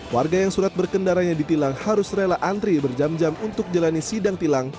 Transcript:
warga yang surat berkendaranya ditilak harus rela antri berjam jam untuk jelani sidang tilak